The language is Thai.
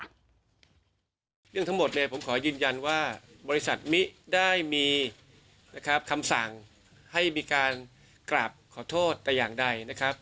เรื่องทั้งหมดผมขอยืนยันว่าบริษัทมิได้มีคำสั่งให้มีการกราบขอโทษแต่อย่างใด